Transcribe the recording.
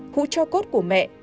hũ cho cốt của mẹ